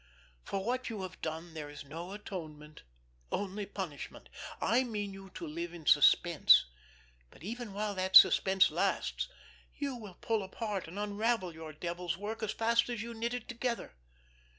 For what you have done there is no atonement—only punishment. I mean you to live in suspense, but even while that suspense lasts you will pull apart and unravel your devil's work as fast as you knit it together.